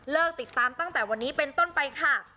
ติดตามตั้งแต่วันนี้เป็นต้นไปค่ะ